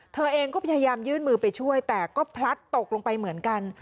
เธอเองก็พยายามยื่นมือไปช่วยแต่ก็พลัดตกลงไปเหมือนกัน